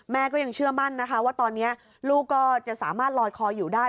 แม่ก็ยังเชื่อมั่นนะคะว่าตอนนี้ลูกก็จะสามารถลอยคออยู่ได้